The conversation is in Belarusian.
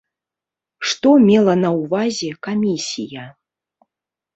Што мела на ўвазе камісія?